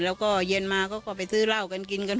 แล้วก็เย็นมาเขาก็ไปซื้อเหล้ากันกินกัน